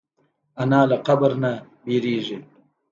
انا له قبر نه ډارېږي